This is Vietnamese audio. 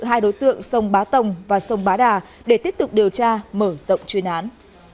hai đối tượng sông bá tồng và sông bá đà để tiếp tục điều tra mở rộng chuyên án